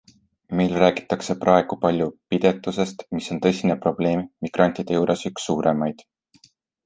Meil räägitakse praegu palju pidetusest, mis on tõsine probleem, migrantide juures üks suuremaid.